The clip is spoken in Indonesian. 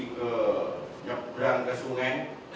ke nyebrang ke sungai